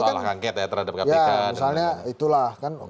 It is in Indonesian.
bukanlah angket ya terhadap kpk